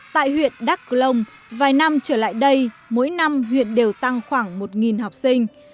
tại huyện đắk lông vài năm trở lại đây mỗi năm huyện đều tăng khoảng một học sinh